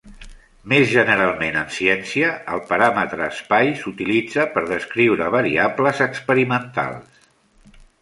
Més generalment en ciència, el paràmetre espai s'utilitza per descriure variables experimentals.